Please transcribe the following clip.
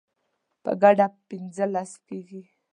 په ګډه پنځلس کیږي